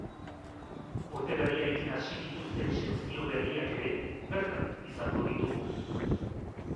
Urte berriarekin hasi dituzten sekzio berriak ere bertan izango ditugu.